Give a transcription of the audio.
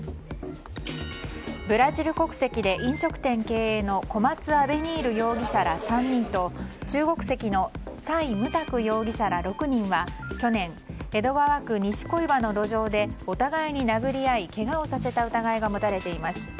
ブラジル国籍で飲食店経営のコマツ・アベニール容疑者ら３人と中国籍のサイ・ムタク容疑者ら６人は去年江戸川区西小岩の路上でお互いに殴り合い、けがをさせた疑いが持たれています。